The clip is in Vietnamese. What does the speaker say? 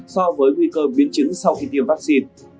so với nguy cơ biến chứng sau khi tiêm vắc xin